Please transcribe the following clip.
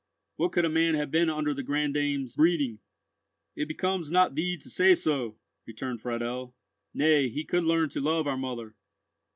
What could a man have been under the granddame's breeding?" "It becomes not thee to say so!" returned Friedel. "Nay, he could learn to love our mother."